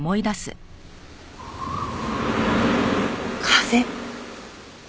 風。